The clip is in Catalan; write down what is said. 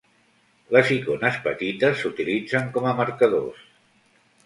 Les icones petites s'utilitzen com a marcadors.